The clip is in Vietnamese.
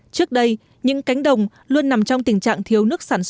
trước đây những cánh đồng luôn nằm trong tình trạng thiếu